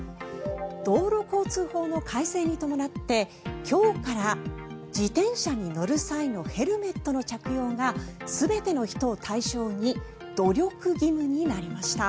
道路交通法の改正に伴って今日から自転車に乗る際のヘルメットの着用が全ての人を対象に努力義務になりました。